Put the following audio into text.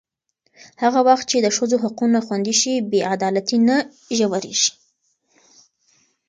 هغه وخت چې د ښځو حقونه خوندي شي، بې عدالتي نه ژورېږي.